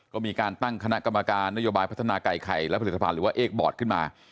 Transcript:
ก็มีการตั้งคณะกรรมการนโยบายพัฒนาไก่ไข่และผลิตภัณฑ์หรือว่าเอกบอร์ดขึ้นมา